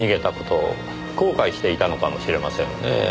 逃げた事を後悔していたのかもしれませんねぇ。